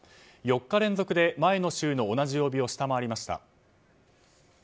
４日連続で前の週の同じ曜日を下回りました。